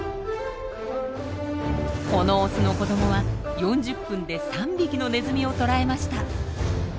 このオスの子どもは４０分で３匹のネズミを捕らえました。